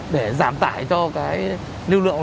để giảm tải cho cái lưu lượng